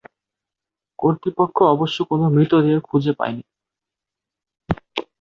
কর্তৃপক্ষ অবশ্য কোনও মৃতদেহ খুঁজে পায়নি।